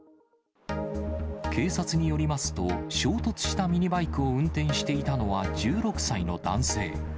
警察によりますと、衝突したミニバイクを運転していたのは１６歳の男性。